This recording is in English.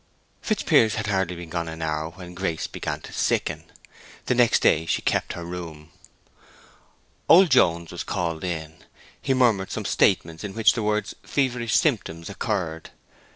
Fitzpiers had hardly been gone an hour when Grace began to sicken. The next day she kept her room. Old Jones was called in; he murmured some statements in which the words "feverish symptoms" occurred.